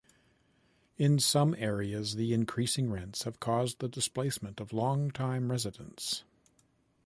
In some areas the increasing rents have caused the displacement of long-time residents.